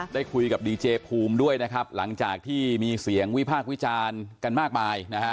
ได้คุยกับดีเจภูมิด้วยนะครับหลังจากที่มีเสียงวิพากษ์วิจารณ์กันมากมายนะฮะ